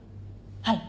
はい。